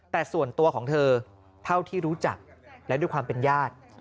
แต่ส่วนตัวของเธอเท่าที่รู้จักและด้วยความเป็นญาติ